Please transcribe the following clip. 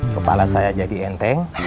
kepala saya jadi enteng